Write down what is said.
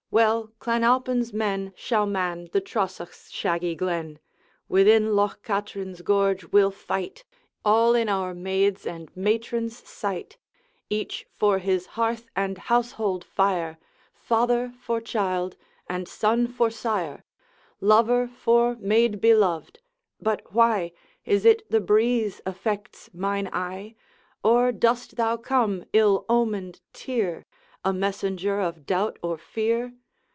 well! Clan Alpine's men Shall man the Trosachs' shaggy glen; Within Loch Katrine's gorge we'll fight, All in our maids' and matrons' sight, Each for his hearth and household fire, Father for child, and son for sire Lover for maid beloved! But why Is it the breeze affects mine eye? Or dost thou come, ill omened tear! A messenger of doubt or fear?